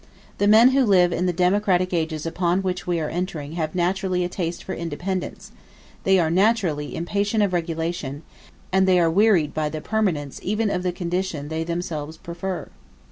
The men who live in the democratic ages upon which we are entering have naturally a taste for independence: they are naturally impatient of regulation, and they are wearied by the permanence even of the condition they themselves prefer.